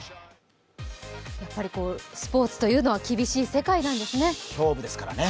やっぱりスポーツというのは厳しい世界なんですね。